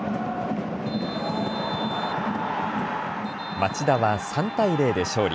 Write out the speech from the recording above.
町田は３対０で勝利。